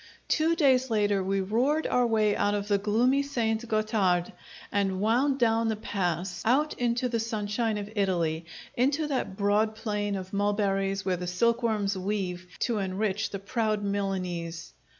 Two days later we roared our way out of the gloomy St. Gotthard and wound down the pass, out into the sunshine of Italy, into that broad plain of mulberries where the silkworms weave to enrich the proud Milanese.